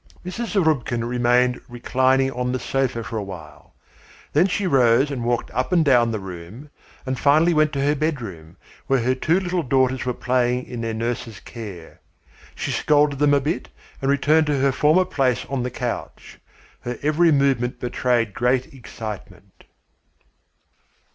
Mrs. Zarubkin remained reclining on the sofa for a while. Then she rose and walked up and down the room and finally went to her bedroom, where her two little daughters were playing in their nurse's care. She scolded them a bit and returned to her former place on the couch. Her every movement betrayed great excitement.